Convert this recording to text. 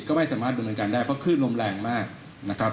ก็ไม่สามารถดูเหมือนกันได้เพราะขึ้นลมแรงมากนะครับ